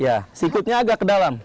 ya sikutnya agak ke dalam